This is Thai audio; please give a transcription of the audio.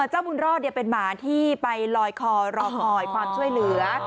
เจ้าบุญรอดเป็นหมาที่ไปลอยคอรอคอยความช่วยเหลือ